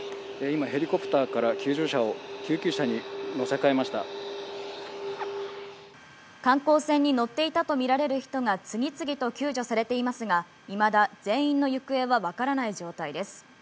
今、ヘリコプターから救助者を救急車に観光船に乗っていたとみられる人が次々と救助されていますが、いまだ全員の行方は分からない状態です。